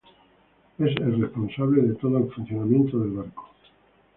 Es el responsable de todo el funcionamiento del barco.